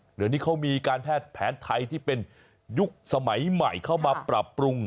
เหลือนี้มีการแพทย์ที่เป็นยึกสมัยใหม่เข้ามาปรับปรุง